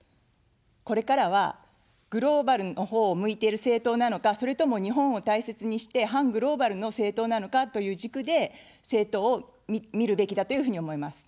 これからは、グローバルのほうを向いている政党なのか、それとも日本を大切にして反グローバルの政党なのかという軸で政党を見るべきだというふうに思います。